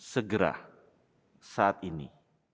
segera saat ini